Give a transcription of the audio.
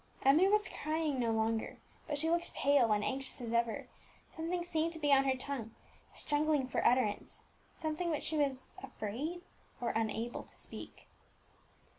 Emmie was crying no longer, but she looked pale and anxious as ever; something seemed to be on her tongue struggling for utterance, something which she was afraid or unable to speak.